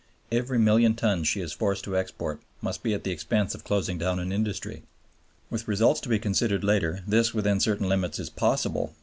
Every million tons she is forced to export must be at the expense of closing down an industry. With results to be considered later this within certain limits is possible.